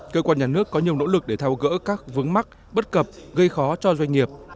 cơ quan nhà nước có nhiều nỗ lực để thao gỡ các vướng mắc bất cập gây khó cho doanh nghiệp